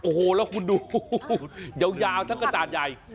โอ้โหแล้วคุณดูยาวทั้งกระจาดใหญ่